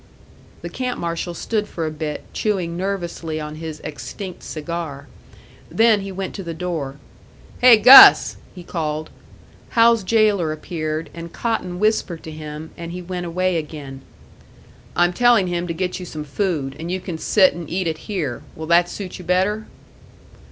The camp marshal stood for a bit, chewing nervously on his extinct cigar. Then he went to the door. "Hey, Gus!" he called. Hal's jailer appeared, and Cotton whispered to him, and he went away again. "I'm telling him to get you some food, and you can sit and eat it here. Will that suit you better?"